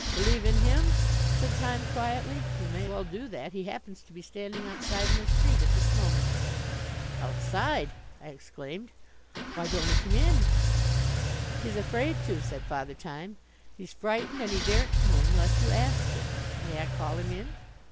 "Believe in him?" said Time quietly. "You may well do that. He happens to be standing outside in the street at this moment." "Outside?" I exclaimed. "Why don't he come in?" "He's afraid to," said Father Time. "He's frightened and he daren't come in unless you ask him. May I call him in?"